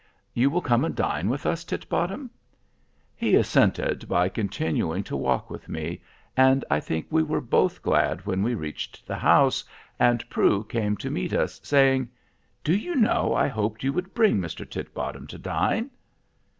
"You will come and dine with us, Titbottom?" He assented by continuing to walk with me, and I think we were both glad when we reached the house, and Prue came to meet us, saying: "Do you know I hoped you would bring Mr. Titbottom to dine?"